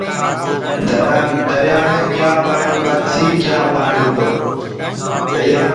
دريآ مي پآڻي بچسي ڪيآنٚ پآڻيٚ تو